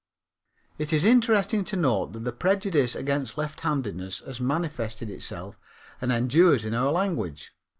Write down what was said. It is interesting to note that the prejudice against lefthandedness has manifested itself and endures in our language.